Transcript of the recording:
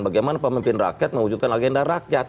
bagaimana pemimpin rakyat mewujudkan agenda rakyat